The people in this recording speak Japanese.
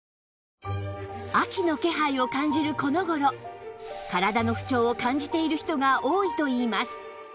秋の気配を感じるこの頃体の不調を感じている人が多いといいます